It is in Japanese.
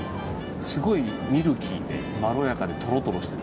すごいミルキーでまろやかで、トロトロしてて。